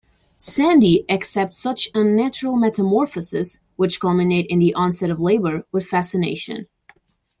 Sandy accepts such unnatural metamorphoses, which culminate in the onset of labour, with fascination.